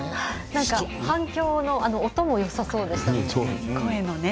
なんか反響の音もよさそうでしたね。